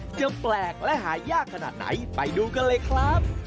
จะแปลกและหายากขนาดไหนไปดูกันเลยครับ